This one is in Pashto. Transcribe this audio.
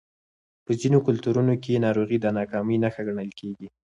په ځینو کلتورونو کې ناروغي د ناکامۍ نښه ګڼل کېږي.